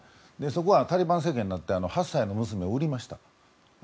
そこはタリバン政権になって８歳の娘を売りました。